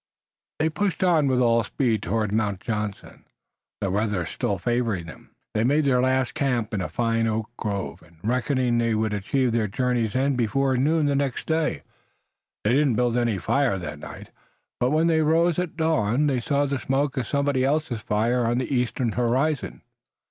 They pushed on with all speed toward Mount Johnson, the weather still favoring them, making their last camp in a fine oak grove, and reckoning that they would achieve their journey's end before noon the next day. They did not build any fire that night, but when they rose at dawn they saw the smoke of somebody else's fire on the eastern horizon.